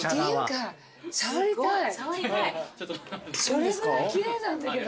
それぐらい奇麗なんだけど。